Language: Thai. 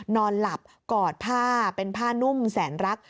นอนหลับกอดผ้าเป็นผ้านุ่มแสนรัก